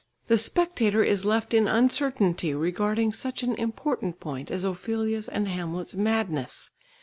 "The spectator is left in uncertainty regarding such an important point as Ophelia's and Hamlet's madness.